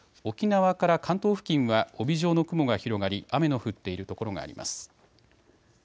沖縄から関東付近は帯状の雲が広がり、雨の降っている所があります。